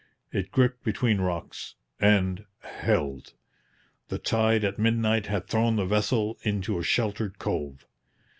It gripped between rocks and held. The tide at midnight had thrown the vessel into a sheltered cove.